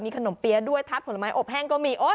ขนมเปี๊ยะด้วยทัดผลไม้อบแห้งก็มี